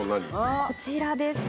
こちらです